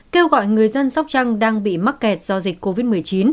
kêu gọi người dân sóc trăng đang bị mắc kẹt do dịch covid một mươi chín